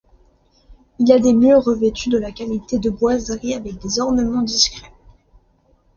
Il a des murs revêtus de la qualité de boiseries avec des ornements discrets.